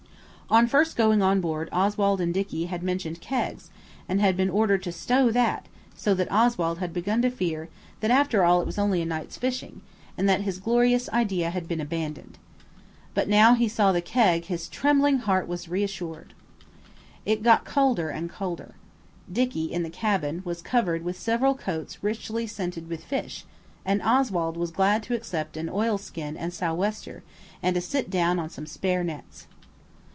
On first going on board Oswald and Dicky had mentioned kegs, and had been ordered to "Stow that!" so that Oswald had begun to fear that after all it was only a night's fishing, and that his glorious idea had been abandoned. But now he saw the keg his trembling heart was reassured. It got colder and colder. Dicky, in the cabin, was covered with several coats richly scented with fish, and Oswald was glad to accept an oilskin and sou' wester, and to sit down on some spare nets.